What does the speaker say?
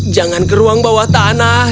jangan ke ruang bawah tanah